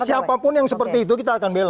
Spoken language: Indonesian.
siapapun yang seperti itu kita akan bela